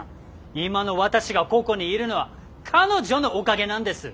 今の私がここにいるのは彼女のおかげなんです！